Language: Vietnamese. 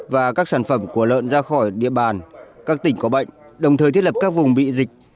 và các sản phẩm của lợn ra khỏi địa bàn các tỉnh có bệnh đồng thời thiết lập các vùng bị dịch